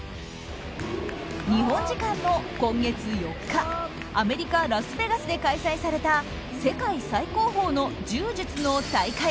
日本時間の今月４日アメリカ・ラスベガスで開催された世界最高峰の柔術の大会